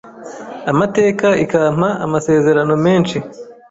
amateka ikampa amasezerano menshi